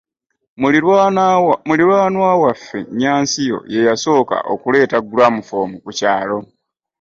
Muliraanwa waffe Nyansiyo ye yasooka okuleeta ‘gulamufoomu’ ku kyalo.